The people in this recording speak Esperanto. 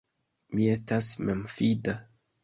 Mi estas memfida.